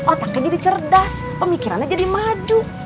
otaknya jadi cerdas pemikirannya jadi maju